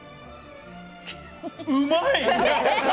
うまい！